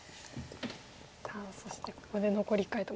さあそしてここで残り１回と。